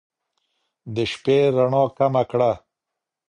د شپې رڼا کمه کړه